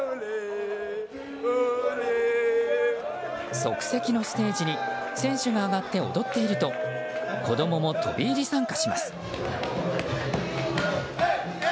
即席のステージに選手が上がって踊っていると子供も飛び入り参加します。